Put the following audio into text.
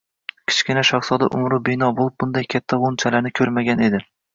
Kichkina shahzoda umri bino bo'lib bunday katta g‘unchalarni ko‘rmagan edi